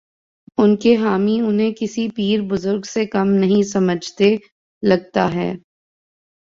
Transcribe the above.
ان کے حامی انہیں کسی پیر بزرگ سے کم نہیں سمجھتے، لگتا ہے۔